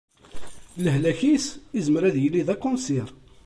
Lahlak-is izmer ad yili d akunsir.